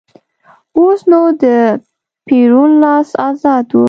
اوس نو د پېرون لاس ازاد و.